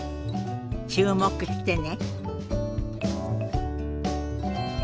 注目してね。